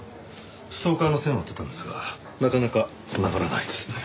ストーカーの線を追ってたんですがなかなか繋がらないですね。